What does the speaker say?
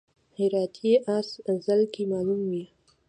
هراتی اس ځل کې معلوم وي.